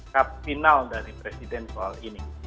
kapital dari presiden soal ini